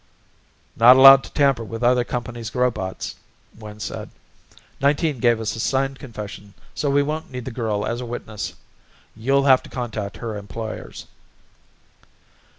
"Not allowed to tamper with other companies' robots," Wynn said. "Nineteen gave us a signed confession so we don't need the girl as a witness. You'll have to contact her employers."